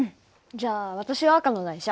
じゃあ私は赤の台車。